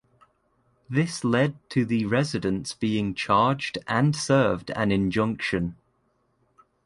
This led to the residents being charged and served an injunction.